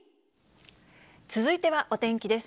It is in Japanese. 続いてはお天気です。